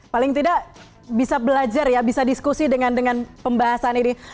paling tidak bisa belajar ya bisa diskusi dengan pembahasan ini